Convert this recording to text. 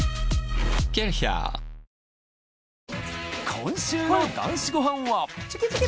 今週の『男子ごはん』は。